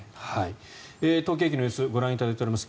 東京駅の様子ご覧いただいています。